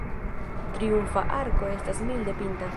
Triumfa arko estas milde pinta.